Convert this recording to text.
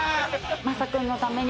マサ君のために。